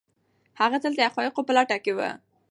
هغه تل د حقایقو په لټه کي و.